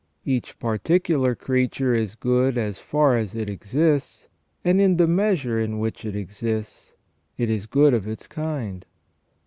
Each particular creature is good as far as it exists, and in the measure in which it exists ; it is good of its kind.